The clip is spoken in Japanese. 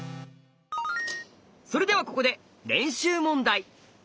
それではここで練習問題。